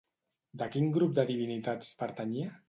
De quin grup de divinitats pertanyia?